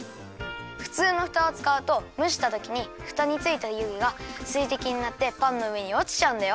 ふつうのふたをつかうとむしたときにふたについたゆげがすいてきになってパンのうえにおちちゃうんだよ。